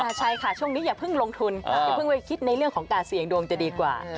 ใช่ค่ะช่วงนี้อย่าเพิ่งลงทุนอย่าเพิ่งไปคิดในเรื่องของการเสี่ยงดวงจะดีกว่า